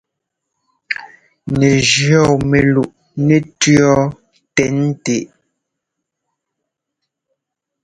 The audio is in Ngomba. Nɛ jʉɔ́ mɛluꞋ nɛtʉ̈ɔ́ tɛn tɛ.